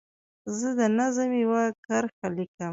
زه د نظم یوه کرښه لیکم.